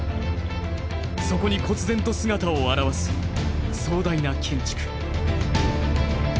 そこにこつ然と姿を現す壮大な建築。